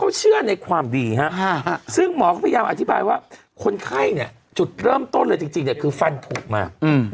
เขาเชื่อในความดีฮะซึ่งหมอก็พยายามอธิบายว่าคนไข้เนี่ยจุดเริ่มต้นเลยจริงเนี่ยคือฟันถูกมา